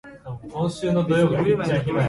子守唄の心地よさ